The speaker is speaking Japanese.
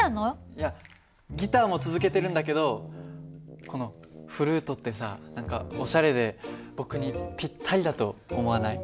いやギターも続けてるんだけどこのフルートってさ何かおしゃれで僕にぴったりだと思わない？